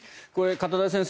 片田先生